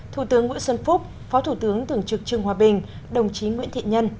thủ tướng nguyễn xuân phúc phó thủ tướng tưởng trực trương hòa bình đồng chí nguyễn thị nhân